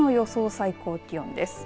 最高気温です。